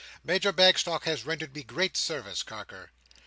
Major Bagstock has rendered me great service, Carker."